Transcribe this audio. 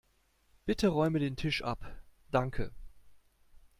Bitte räume den Tisch ab, danke.